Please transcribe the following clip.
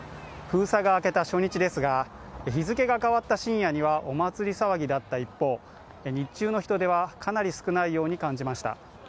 封鎖が明けた初日ですが、日付が変わった深夜にはお祭騒ぎだった一方日中の人出はかなり少ないように感じました。